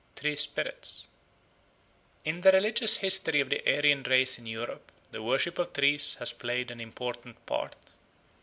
Tree spirits IN THE RELIGIOUS history of the Aryan race in Europe the worship of trees has played an important part.